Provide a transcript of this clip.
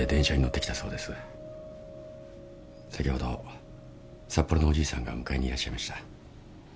先ほど札幌のおじいさんが迎えにいらっしゃいました。